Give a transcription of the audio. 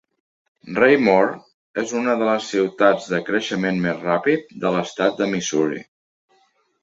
Raymore és una de les ciutats de creixement més ràpid de l'estat de Missouri.